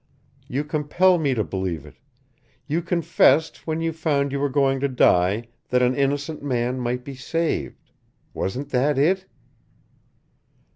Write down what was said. You compel me to believe it. You confessed, when you found you were going to die, that an innocent man might be saved. Wasn't that it?"